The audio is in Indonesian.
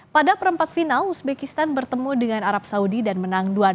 pada perempat final uzbekistan bertemu dengan arab saudi dan menang dua satu